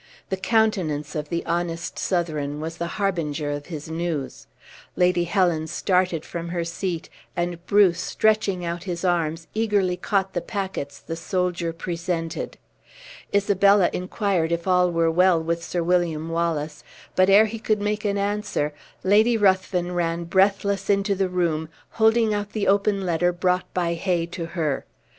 The countenance of the honest Southron was the harbinger of his news. Lady Helen started from her seat, and Bruce, stretching out his arms, eagerly caught the packets the soldier presented. Isabella inquired if all were well with Sir William Wallace; but ere he could make an answer, Lady Ruthven ran breathless into the room, holding out the open letter brought by Hay to her.